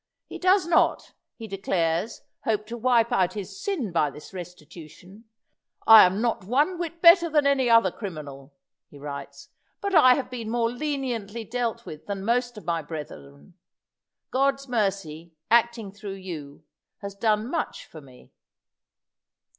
He does not, he declares, hope to wipe out his sin by this restitution. 'I am not one whit better than any other criminal,' he writes, 'but I have been more leniently dealt with than most of my brethren. God's mercy, acting through you, has done much for me.'"